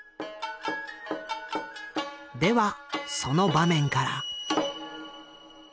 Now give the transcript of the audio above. ではその場面から。